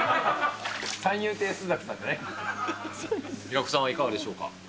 平子さんはいかがでしょうか。